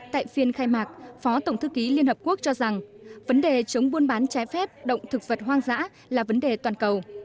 tại phiên khai mạc phó tổng thư ký liên hợp quốc cho rằng vấn đề chống buôn bán trái phép động thực vật hoang dã là vấn đề toàn cầu